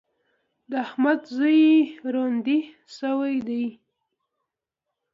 د احمد زوی روندی شوی دی.